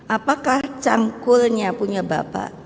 apakah cangkulnya punya bapak